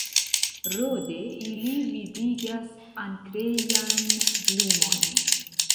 Rode, ili vidigas ankrejajn lumojn.